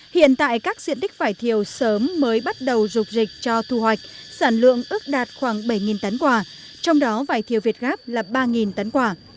hiện tại các diện tích vải thiều sớm mới bắt đầu dục dịch cho thu hoạch sản lượng ước đạt khoảng bảy tấn quả trong đó vải thiều việt gáp là ba tấn quả